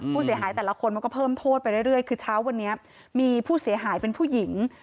แต่ละคนมันก็เพิ่มโทษไปเรื่อยคือเช้าวันนี้มีผู้เสียหายเป็นผู้หญิง